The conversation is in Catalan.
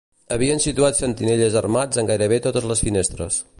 Havien situat sentinelles armats en gairebé totes les finestres